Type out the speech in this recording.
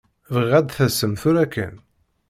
Bɣiɣ ad d-tasem tura kan.